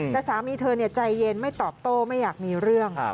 แต่สามีเธอใจเย็นไม่ตอบโต้ไม่อยากมีเรื่อง